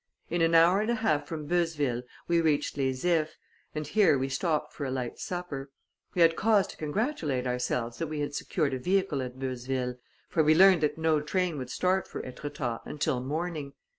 In an hour and a half from Beuzeville we reached Les Ifs, and here we stopped for a light supper. We had cause to congratulate ourselves that we had secured a vehicle at Beuzeville, for we learned that no train would start for Etretat until morning.